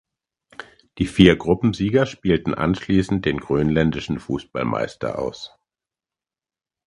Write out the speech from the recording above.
Die vier Gruppensieger spielten anschließend den grönländischen Fußballmeister aus.